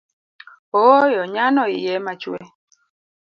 Ooyo nyano iye ema chue